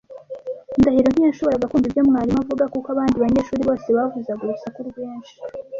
Ndahiro ntiyashoboraga kumva ibyo mwarimu avuga kuko abandi banyeshuri bose bavuzaga urusaku rwinshi.